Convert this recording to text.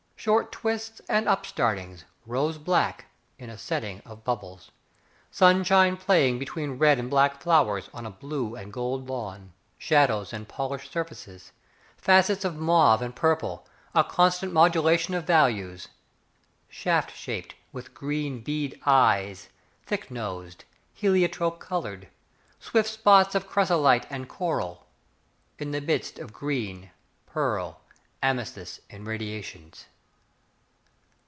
Short twists and upstartings, Rose black, in a setting of bubbles: Sunshine playing between red and black flowers On a blue and gold lawn. Shadows and polished surfaces, Facets of mauve and purple, A constant modulation of values. Shaft shaped, With green bead eyes; Thick nosed, Heliotrope coloured; Swift spots of chrysolite and coral; In the midst of green, pearl, amethyst irradiations.